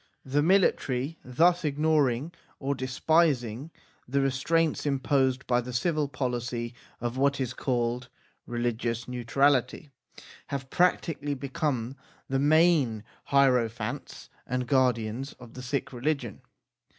The military thus ignoring or despising the restraints imposed by the civil policy of what is called religious neutrality , have practically become the main hiero phants and guardians of the Sikh religion.